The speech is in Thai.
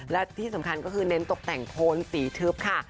และที่สำคัญก็คือเน้นตกแต่งโทนสีทึบค่ะ